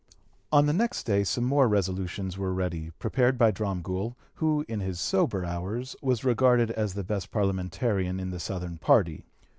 On the next day some more resolutions were ready, prepared by Dromgoole, who in his sober hours was regarded as the best parliamentarian in the Southern party.